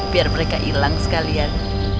biar mereka ilang sekalian